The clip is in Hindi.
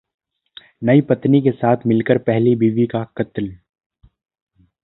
नई पत्नी के साथ मिलकर पहली बीवी का कत्ल